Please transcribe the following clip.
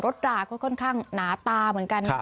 ด่าก็ค่อนข้างหนาตาเหมือนกัน